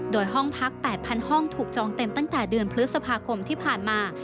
โดยห้องพัก๘๐๐ห้องถูกจองเต็มตั้งแต่เดือนพฤษภาคมที่ผ่านมา